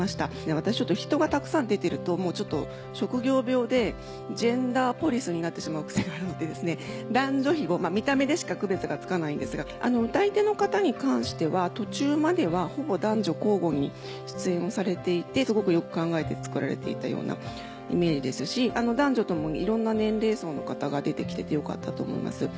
私人がたくさん出てると職業病でジェンダーポリスになってしまう癖があるので男女比をまぁ見た目でしか区別がつかないんですが歌い手の方に関しては途中まではほぼ男女交互に出演をされていてすごくよく考えて作られていたようなイメージですし男女共にいろんな年齢層の方が出てきててよかったと思います。